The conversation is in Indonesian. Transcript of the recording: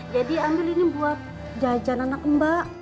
jadi ambil ini buat jajan anak mbak